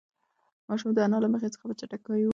ماشوم د انا له مخې څخه په چټکۍ ووت.